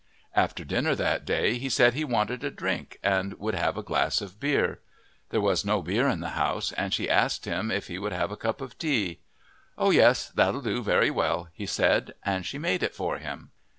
After dinner that day he said he wanted a drink and would have a glass of beer. There was no beer in the house, and she asked him if he would have a cup of tea. "Oh, yes, that'll do very well," he said, and she made it for him.